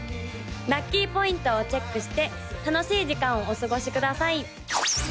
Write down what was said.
ラッキーポイントをチェックして楽しい時間をお過ごしください！